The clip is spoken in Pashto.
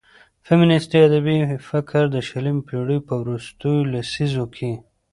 فيمينستي ادبي فکر د شلمې پېړيو په وروستيو لسيزو کې